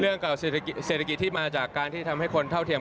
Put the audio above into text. เรื่องกับเศรษฐกิจที่มาจากการที่ทำให้คนเท่าเทียม